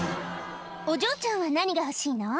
お嬢ちゃんは何が欲しいの？